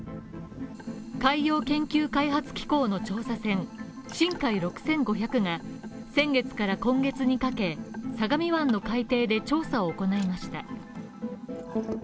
海洋研究開発機構の調査船「しんかい６５００」が先月から今月にかけ、相模湾の海底で調査を行いました。